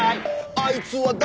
「あいつは誰？